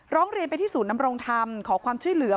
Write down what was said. ร้องเรียนไปที่ศูนย์นำรงธรรมขอความช่วยเหลือ